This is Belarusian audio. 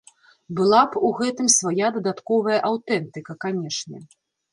Была б у гэтым свая дадатковая аўтэнтыка, канешне.